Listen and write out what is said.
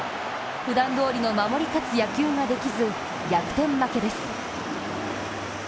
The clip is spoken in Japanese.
ふだんどおりの守り勝つ野球ができず逆転負けです。